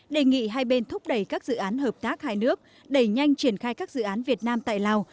đề nghị hai bên thúc đẩy các dự án hợp tác hai nước đẩy nhanh triển khai các dự án việt nam tại lào